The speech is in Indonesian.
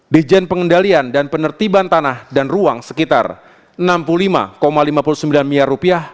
dijen pengendalian dan penertiban tanah dan ruang sekitar enam puluh lima lima puluh sembilan miliar rupiah